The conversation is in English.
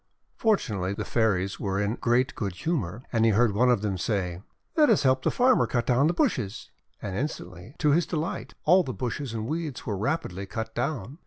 Fortunately, the Fairies were in great good humour, and he heard one of them say :— 'Let us help the farmer cut down the bushes!' And instantly, to his delight, all the bushes and weeds were rapidly cut down.